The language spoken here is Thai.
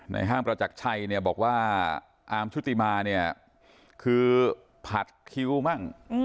ห้างประจักรชัยเนี่ยบอกว่าอาร์มชุติมาเนี่ยคือผัดคิวมั่ง